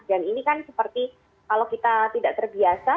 dan ini kan seperti kalau kita tidak terbiasa